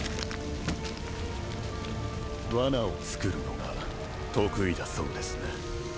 ワナを作るのが得意だそうですね